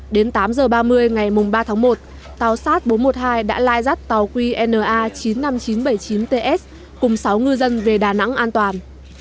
đến tám h ba mươi ngày ba tháng một tàu sát bốn trăm một mươi hai đã lai rắt tàu qna chín mươi năm nghìn chín trăm bảy mươi chín ts cùng sáu ngư dân về đà nẵng an toàn